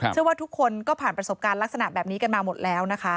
เชื่อว่าทุกคนก็ผ่านประสบการณ์ลักษณะแบบนี้กันมาหมดแล้วนะคะ